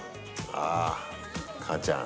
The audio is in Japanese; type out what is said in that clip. ああ、母ちゃん。